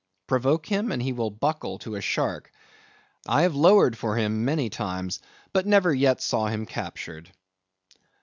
Provoke him, and he will buckle to a shark. I have lowered for him many times, but never yet saw him captured.